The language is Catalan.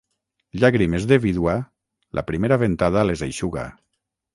Llàgrimes de vídua, la primera ventada les eixuga.